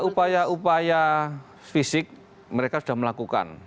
upaya upaya fisik mereka sudah melakukan